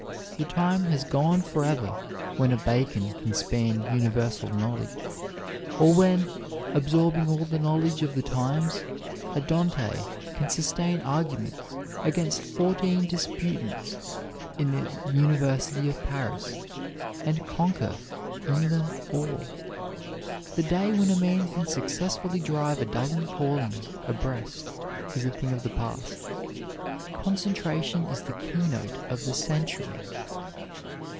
The time has gone forever when a Bacon can span universal knowledge; or when, absorbing all the knowledge of the times, a Dante can sustain arguments against fourteen disputants in the University of Paris, and conquer in them all. The day when a man can successfully drive a dozen callings abreast is a thing of the past. Concentration is the keynote of the century.